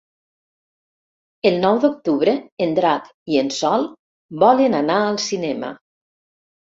El nou d'octubre en Drac i en Sol volen anar al cinema.